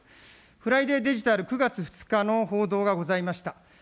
フライデーデジタル９月２日の報道がございました。